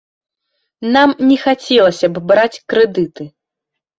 Нам не хацелася б браць крэдыты.